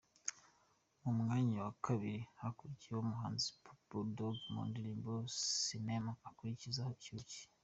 Ku mwanya wa kabiri hakurikiyeho umuhanzi Bull Dog mu ndirimbo Sinema akurikizaho Icyucyi.